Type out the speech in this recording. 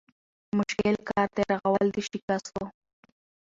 مشکل کار دی رغول د شکستو